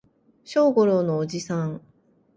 小五郎のおじさん